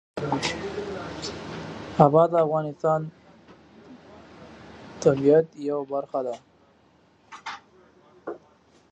بادام د افغانستان د طبیعت یوه برخه ده.